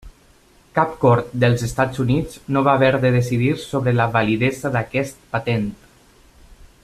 Cap cort dels Estats Units no va haver de decidir sobre la validesa d'aquesta patent.